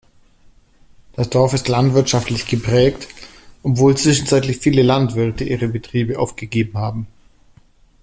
Das Dorf ist landwirtschaftlich geprägt, obwohl zwischenzeitlich viele Landwirte ihre Betriebe aufgegeben haben.